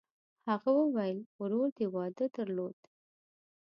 هغه وویل: «ورور دې واده درلود؟»